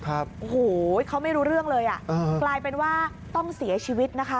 โอ้โหเขาไม่รู้เรื่องเลยอ่ะกลายเป็นว่าต้องเสียชีวิตนะคะ